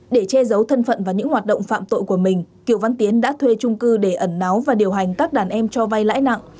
để che giấu thân phận và những hoạt động phạm tội của mình kiều văn tiến đã thuê trung cư để ẩn náu và điều hành các đàn em cho vay lãi nặng